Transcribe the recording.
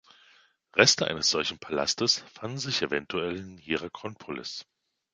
Reste eines solchen Palastes fanden sich eventuell in Hierakonpolis.